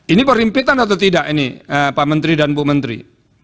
ini perimpitan atau tidak ini pak menteri dan bu menteri